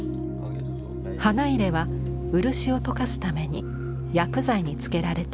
花入は漆を溶かすために薬剤につけられていた。